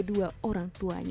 dan yang multi